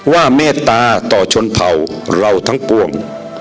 เมตตาต่อชนเผ่าเราทั้งปวง